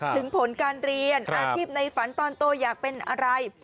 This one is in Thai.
ถึงผลการเรียนอาชีพในฝันตอนโตอยากเป็นอะไร